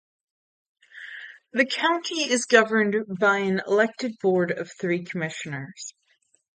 The county is governed by an elected board of three commissioners.